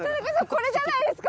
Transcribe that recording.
これじゃないですか！